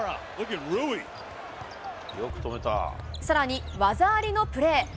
さらに、技ありのプレー。